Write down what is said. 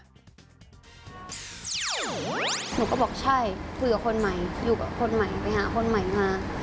หนูก็บอกใช่อยู่กับคนใหม่ไปหาคนใหม่มา